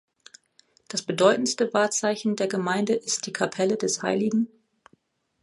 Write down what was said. Das bedeutendste Wahrzeichen der Gemeinde ist die Kapelle des Hl.